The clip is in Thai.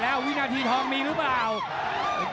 หรือว่าผู้สุดท้ายมีสิงคลอยวิทยาหมูสะพานใหม่